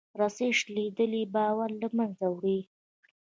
رسۍ شلېدلې باور له منځه وړي.